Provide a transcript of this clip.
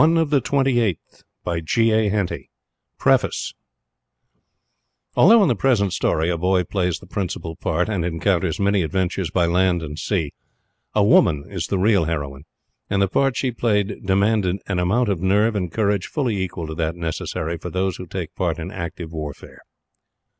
Burt Company Publishers, New York PREFACE Although in the present story a boy plays the principal part, and encounters many adventures by land and sea, a woman is the real heroine, and the part she played demanded an amount of nerve and courage fully equal to that necessary for those who take part in active warfare.